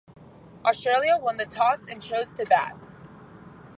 Australia won the toss and chose to bat.